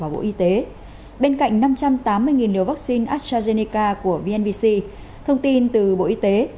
bên cạnh năm trăm tám mươi liều vaccine astrazeneca của vnvc thông tin từ bộ y tế